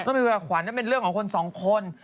ต้องไปคุยกับขวัญนั่นเป็นเรื่องของคนสองคน